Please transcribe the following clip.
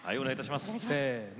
せの。